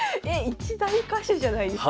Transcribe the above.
一大歌手じゃないですか。